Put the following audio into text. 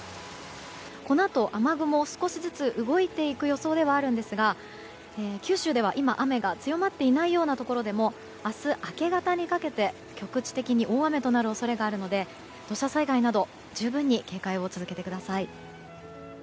このあと雨雲、少しずつ動いていく予想ではあるんですが九州では今、雨が強まっていないようなところでも明日明け方にかけて局地的に大雨となる恐れがあるので土砂災害など十分に警戒を続けてください。